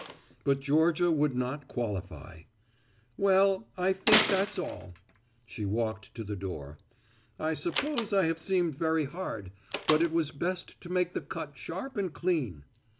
But Georgia would not qualify. "Well, I think that's all." She walked to the door. "I suppose I have seemed very hard, but it was best to make the cut sharp and clean."